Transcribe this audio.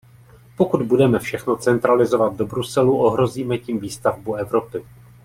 Pokud budeme všechno centralizovat do Bruselu, ohrozíme tím výstavbu Evropy.